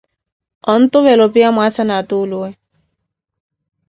Ontuvela opiya mwaasa na atuluwe.